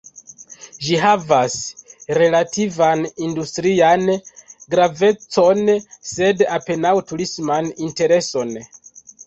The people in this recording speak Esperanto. Ĝi havas relativan industrian gravecon, sed apenaŭ turisman intereson.